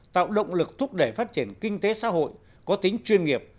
tạo động lực thúc đẩy phát triển kinh tế xã hội có tính chuyên nghiệp